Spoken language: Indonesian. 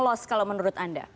lost kalau menurut anda